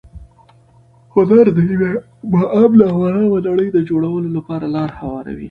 هنر د یوې با امنه او ارامه نړۍ د جوړولو لپاره لاره هواروي.